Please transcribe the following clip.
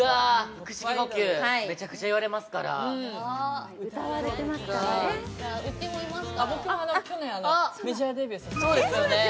腹式呼吸めちゃくちゃ言われますからうちもいますから僕も去年メジャーデビューそうですよね